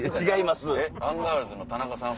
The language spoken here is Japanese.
違います。